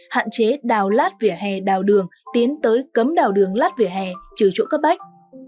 hạn chế đào lát vỉa hè đào đường tiến tới cấm đào đường lát vỉa hè trừ chỗ cấp bách